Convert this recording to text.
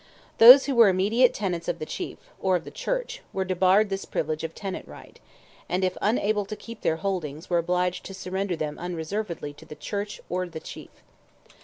Those who were immediate tenants of the chief, or of the church, were debarred this privilege of tenant right, and if unable to keep their holdings were obliged to surrender them unreservedly to the church or the chief.